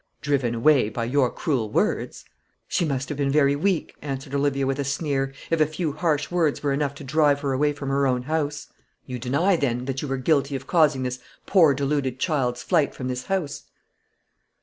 "Driven away by your cruel words." "She must have been very weak," answered Olivia, with a sneer, "if a few harsh words were enough to drive her away from her own house." "You deny, then, that you were guilty of causing this poor deluded child's flight from this house?"